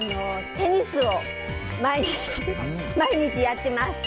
テニスを毎日やってます。